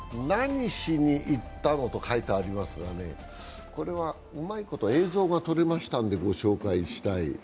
何しに行ったの？と書いてありますがこれは、うまいこと映像が撮れましたんで、御紹介したい。